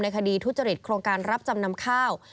คดีทุจริตโครงการรับจำนำข้าว